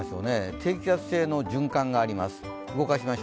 低気圧性の循環があります。